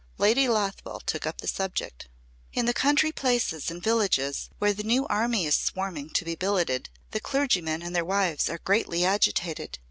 Lady Lothwell took the subject up. "In the country places and villages, where the new army is swarming to be billeted, the clergymen and their wives are greatly agitated.